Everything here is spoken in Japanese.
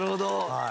はい。